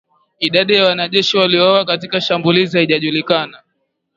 Idadi ya wanajeshi waliouawa katika shambulizi haijajulikana